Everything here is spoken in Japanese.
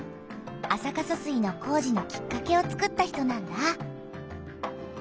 安積疏水の工事のきっかけをつくった人なんだ。